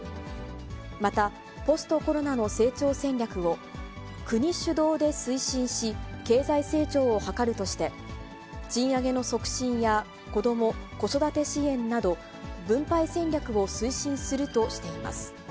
また、ポストコロナの成長戦略を、国主導で推進し、経済成長を図るとして、賃上げの促進や、子ども・子育て支援など、分配戦略を推進するとしています。